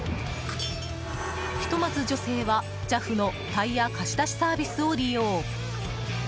ひとまず女性は、ＪＡＦのタイヤ貸し出しサービスを利用。